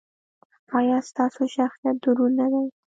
ایا ستاسو شخصیت دروند نه دی؟